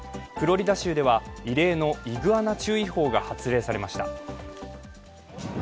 フロリダ州では異例のイグアナ注意報が発令されました。